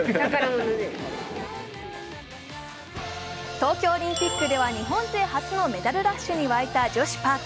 東京オリンピックでは日本勢初のメダルラッシュに沸いた女子パーク。